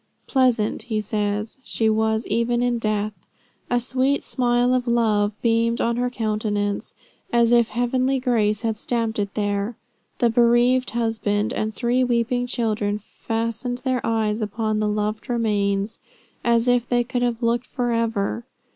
"Pleasant," he says, "she was even in death. A sweet smile of love beamed on her countenance, as if heavenly grace had stamped it there. The bereaved husband and three weeping children fastened their eyes upon the loved remains, as if they could have looked forever."